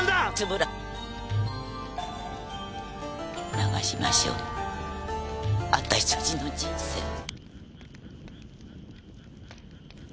流しましょう私たちの人生を。